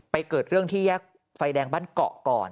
เกิดเรื่องที่แยกไฟแดงบ้านเกาะก่อน